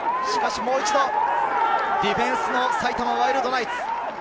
しかしもう一度、ディフェンスの埼玉ワイルドナイツ。